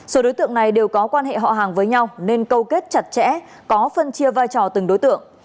số đối tượng này đều có quan hệ họ hàng với nhau nên câu kết chặt chẽ có phân chia vai trò từng đối tượng